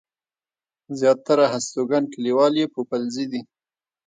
زياتره هستوګن کلیوال يې پوپلزي دي.